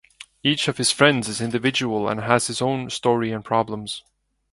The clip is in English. Each of his friends is individual and has his own story and problems.